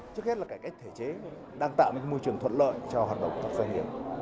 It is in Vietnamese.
trước hết là cải cách thể chế đang tạo một môi trường thuận lợi cho hoạt động doanh nghiệp